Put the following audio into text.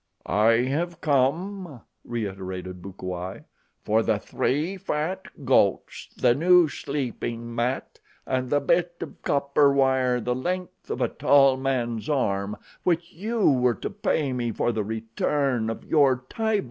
"I have come," reiterated Bukawai, "for the three fat goats, the new sleeping mat, and the bit of copper wire the length of a tall man's arm, which you were to pay me for the return of your Tibo."